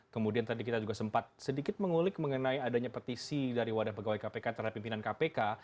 kemudian tadi kita juga sempat sedikit mengulik mengenai adanya petisi dari wadah pegawai kpk terhadap pimpinan kpk